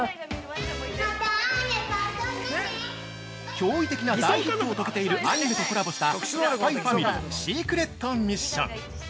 ◆驚異的な大ヒットを遂げているアニメとコラボした「ＳＰＹｘＦＡＭＩＬＹシークレット・ミッション」。